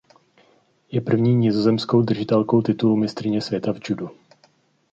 Je první nizozemskou držitelkou titulu mistryně světa v judu.